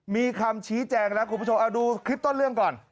มีคำชี้แจงแล้วคุณผู้ชมเอาดูคลิปต้นเรื่องก่อน